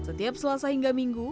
setiap selasa hingga minggu